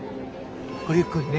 ごゆっくりね。